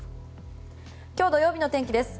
今日、土曜日の天気です。